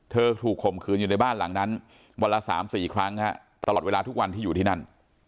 ถูกข่มขืนอยู่ในบ้านหลังนั้นวันละ๓๔ครั้งตลอดเวลาทุกวันที่อยู่ที่นั่น